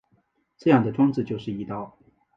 这样的装置就是翼刀。